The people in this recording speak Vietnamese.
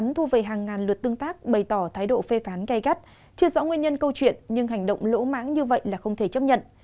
ngắn thu về hàng ngàn luật tương tác bày tỏ thái độ phê phán gây gắt chưa rõ nguyên nhân câu chuyện nhưng hành động lỗ mãng như vậy là không thể chấp nhận